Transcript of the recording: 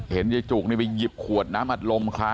เห็นไยจุกนี่ไปหยิบขวดน้ำอัดลม